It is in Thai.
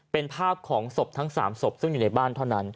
เป็นภาพของศพทั้ง๓ศพซึ่งอยู่ในบ้านเท่านั้น